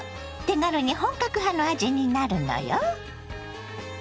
手軽に本格派の味になるのよ。